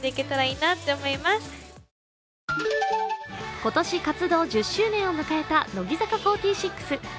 今年活動１０周年を迎えた乃木坂４６。